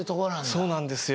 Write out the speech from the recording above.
そうなんですよ。